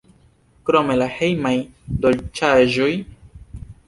Krome la hejmaj dolĉaĵoj.